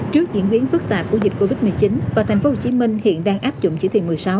trước diễn biến phức tạp của dịch covid một mươi chín và thành phố hồ chí minh hiện đang áp dụng chỉ thị một mươi sáu